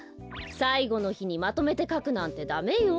さいごのひにまとめてかくなんてダメよ。